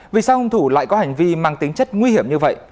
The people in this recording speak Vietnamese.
vì sao hung thủ lại có hành vi mang tính chất nguy hiểm như vậy